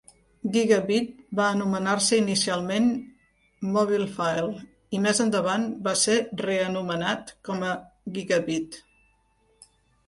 Gigabeat va anomenar-se inicialment MobilPhile i més endavant va ser reanomenat com a Gigabeat.